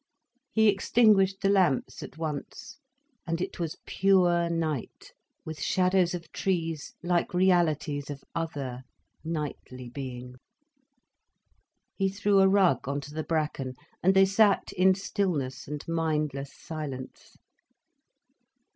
He extinguished the lamps at once, and it was pure night, with shadows of trees like realities of other, nightly being. He threw a rug on to the bracken, and they sat in stillness and mindless silence.